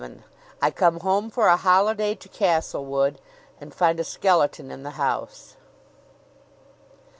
I COME HOME FOR A HOLIDAY TO CASTLEWOOD, AND FIND A SKELETON IN THE HOUSE.